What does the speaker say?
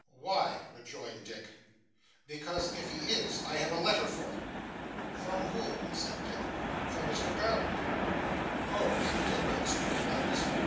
'Why?' rejoined Dick. 'Because if he is, I have a letter for him.' 'From whom?' said Dick. 'From Mr Garland.' 'Oh!' said Dick, with extreme politeness.